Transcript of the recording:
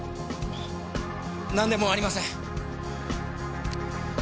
何でもありません！